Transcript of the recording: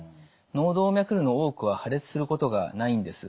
脳動脈瘤の多くは破裂することがないんです。